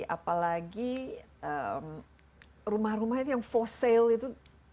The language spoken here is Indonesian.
apalagi rumah rumah itu yang for sale itu